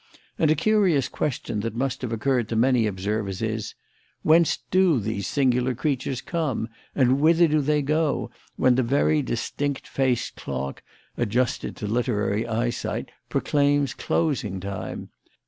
And a curious question that must have occurred to many observers is: Whence do these singular creatures come, and whither do they go when the very distinct faced clock (adjusted to literary eye sight) proclaims closing time?